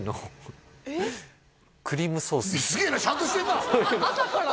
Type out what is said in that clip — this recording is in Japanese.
すげえなちゃんとしてんな朝から？